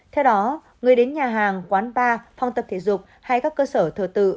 theo đó người đến nhà hàng quán bar phòng tập thể dục hay các cơ sở thờ tự